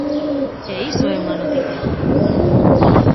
E iso é unha noticia.